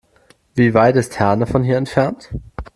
Wie weit ist Herne von hier entfernt?